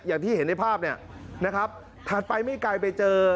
อย่างที่เห็นในภาพถัดไปไม่ไกลไปเจอ